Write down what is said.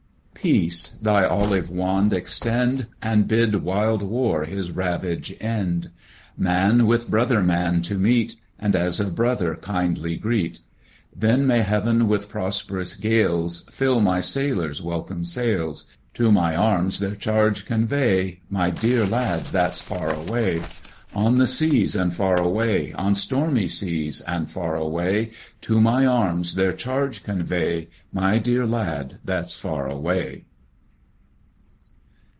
Peace, thy olive wand extend, And bid wild War his ravage end, Man with brother Man to meet, And as a brother kindly greet; Then may heav'n with prosperous gales, Fill my sailor's welcome sails; To my arms their charge convey, My dear lad that's far away. On the seas and far away, On stormy seas and far away; To my arms their charge convey, My dear lad that's far away.